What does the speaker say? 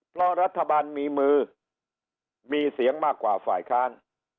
เพราะรัฐบาลมีมือมีเสียงมากกว่าฝ่ายค้าน